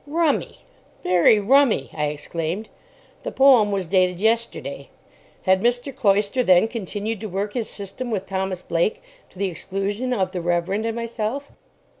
_ "Rummy, very rummy," I exclaimed. The poem was dated yesterday. Had Mr. Cloyster, then, continued to work his system with Thomas Blake to the exclusion of the Reverend and myself?